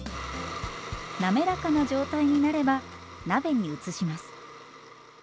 滑らかな状態になれば鍋に移します。